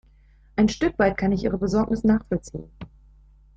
Ein Stück weit kann ich ihre Besorgnis nachvollziehen.